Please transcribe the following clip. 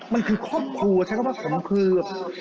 มันคือครอบครัวใช้คำว่าผมคือ